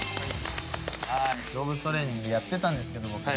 動物トレーニングやってたんですけど僕も。